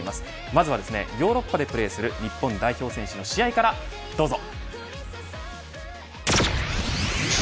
まずはヨーロッパでプレーする日本代表選手の試合からどうぞ。